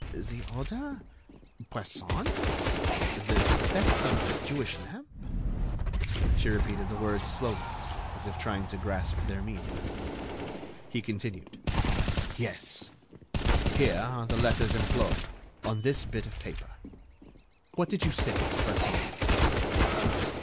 "The order?... Bresson?... the theft of the Jewish lamp?" She repeated the words slowly, as if trying to grasp their meaning. He continued: "Yes. Here are the letters employed ... on this bit of paper.... What did you say to Bresson?"